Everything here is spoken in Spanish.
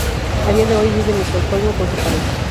A día de hoy vive en Estocolmo con su pareja.